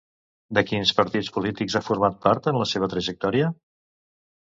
De quins partits polítics ha format part en la seva trajectòria?